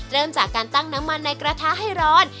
เริ่มจากการตั้งน้ำมันในกระทะให้ร้อน